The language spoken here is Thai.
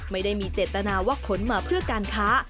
ไม่ได้มีเจตนาว่าขนมาเพื่อการค้า